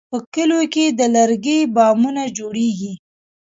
په کلیو کې د لرګي بامونه جوړېږي.